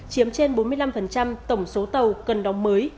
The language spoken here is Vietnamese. chiếm trên bốn mươi năm tổng số tàu cần đóng mới